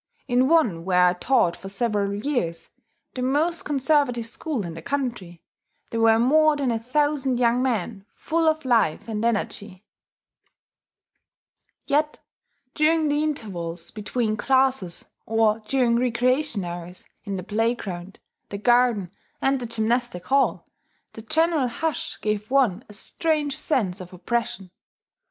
In one where I taught for several years the most conservative school in the country there were more than a thousand young men, full of life and energy; yet during the intervals between classes, or during recreation hours in the playground, the garden, and the gymnastic hall, the general hush gave one a strange sense of oppression.